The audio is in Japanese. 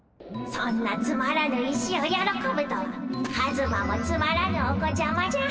そんなつまらぬ石をよろこぶとはカズマもつまらぬお子ちゃまじゃ。